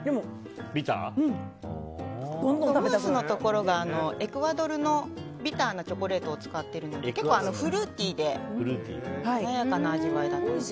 チョコムースのところがエクアドルのビターなチョコレートを使っているのでフルーティーで華やかな味わいだと思います。